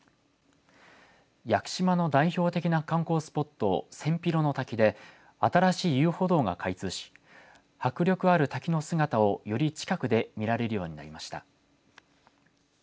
屋久島の代表的な観光スポット千尋の滝で新しい遊歩道が開通し迫力ある滝の姿をより近くで見られるようになりました。